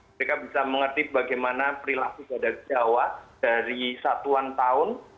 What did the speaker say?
mereka bisa mengerti bagaimana perilaku badak jawa dari satuan tahun